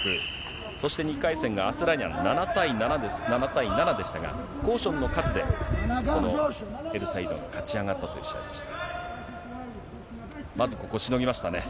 そして、２回戦がアスラニャン、７対７でしたが、コーションの数でこのエルサイードが勝ち上がったという試合でした。